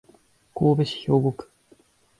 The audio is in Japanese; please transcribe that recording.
神戸市兵庫区